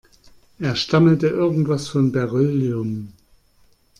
Er stammelte irgendwas von Beryllium.